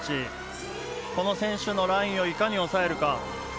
この選手のラインをいかに抑えるか。